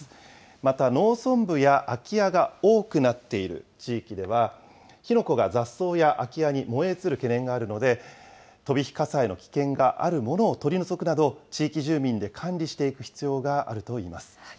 また、農村部や空き家が多くなっている地域では、火の粉が雑草や空き家に燃え移る懸念があるので、飛び火火災の危険があるものを取り除くなど、地域住民で管理していく必要があるといいます。